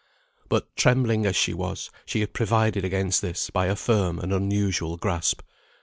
But trembling as she was, she had provided against this by a firm and unusual grasp.